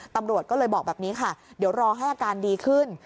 ตำรวจก็เลยบอกแบบนี้ค่ะเดี๋ยวรอให้อาการดีขึ้น